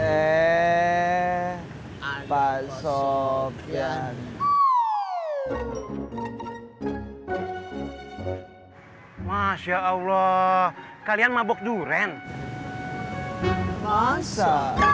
eh pak sofyan masya allah kalian mabuk durian masa